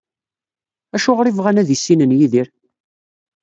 Acuɣer i bɣan ad issinen Yidir?